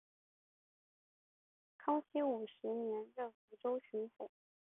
康熙五十年任福建巡抚。